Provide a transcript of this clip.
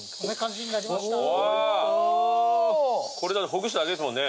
ほぐしただけですもんね？